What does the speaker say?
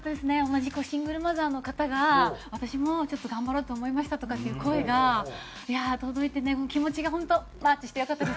同じシングルマザーの方が私もちょっと頑張ろうと思いましたとかっていう声がいやあ届いてね気持ちが本当マッチしてよかったです。